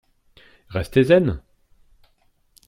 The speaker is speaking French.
Restez zen!